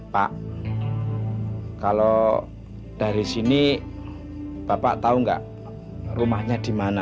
pak kalau dari sini bapak tahu nggak rumahnya di mana